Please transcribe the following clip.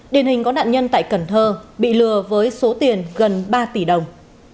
điển hình có nạn nhân tại cần thơ bị lừa với số tiền gần ba tỷ đồng